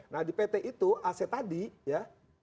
nah di pt itu aset tadi ya